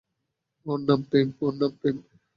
ওর নাম প্রেম।